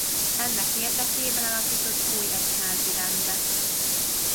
Ennek érdekében alapított új egyházi rendet.